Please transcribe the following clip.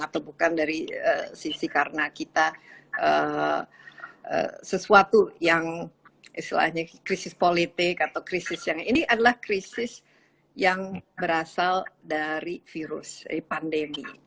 atau bukan dari sisi karena kita sesuatu yang istilahnya krisis politik atau krisis yang ini adalah krisis yang berasal dari virus pandemi